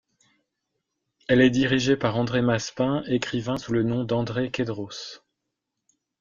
Elle est dirigée par André Massepain, écrivain sous le nom d'André Kédros.